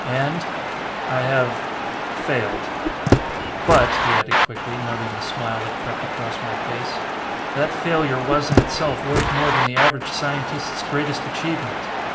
And ... I have failed! "But," he added quickly, noting the smile that crept across my face, "that failure was in itself worth more than the average scientist's greatest achievement!